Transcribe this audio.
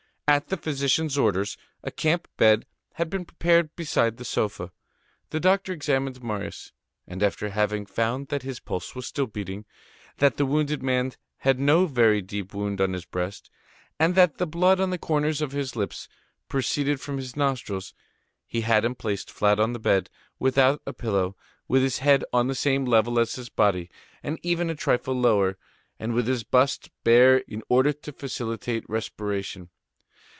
At the physician's orders, a camp bed had been prepared beside the sofa. The doctor examined Marius, and after having found that his pulse was still beating, that the wounded man had no very deep wound on his breast, and that the blood on the corners of his lips proceeded from his nostrils, he had him placed flat on the bed, without a pillow, with his head on the same level as his body, and even a trifle lower, and with his bust bare in order to facilitate respiration.